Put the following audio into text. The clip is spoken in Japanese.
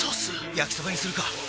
焼きそばにするか！